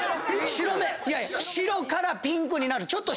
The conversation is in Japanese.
白からピンクになる。